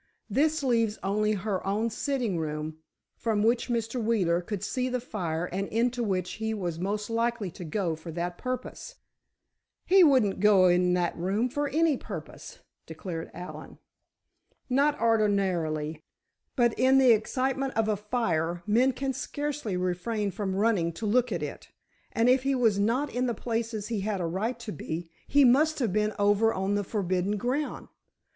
This leaves only her own sitting room, from which Mr. Wheeler could see the fire and into which he was most likely to go for that purpose." "He wouldn't go in that room for any purpose," declared Allen. "Not ordinarily, but in the excitement of a fire, men can scarcely refrain from running to look at it, and if he was not in the places he had a right to be, he must have been over on the forbidden ground.